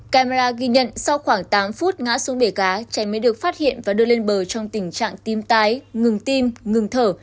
camera ghi nhận sau khoảng tám phút ngã xuống bể cá cháy mới được phát hiện và đưa lên bờ trong tình trạng tim tái ngừng tim ngừng thở